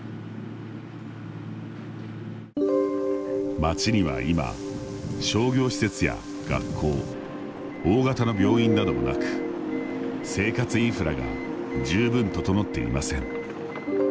町には今、商業施設や学校大型の病院などもなく生活インフラが十分整っていません。